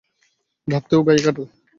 ভাবলেও গায়ে কাটা দেয়!